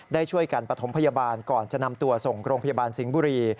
ได้ช่วยกันปฐมพยาบาลก่อนจะนำตัวส่งโรงพยาบาลสิงห์บุรี